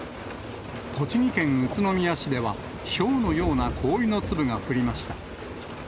栃木県宇都宮市では、ひょうのような氷の粒が降りました。